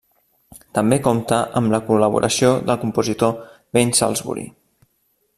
També compta amb la col·laboració del compositor Ben Salisbury.